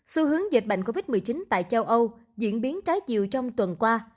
xu hướng dịch bệnh covid một mươi chín tại châu âu diễn biến trái chiều trong tuần qua